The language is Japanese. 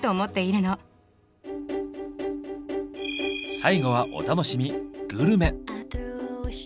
最後はお楽しみ「グルメ」。